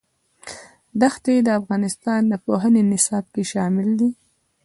دښتې د افغانستان د پوهنې نصاب کې شامل دي.